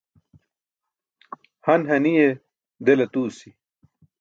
Han haniye del aṭuusi.